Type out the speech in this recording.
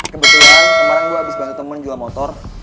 kebetulan kemarin gue habis bantu temen jual motor